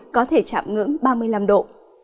có thể chạm ngưỡng ba mươi năm độ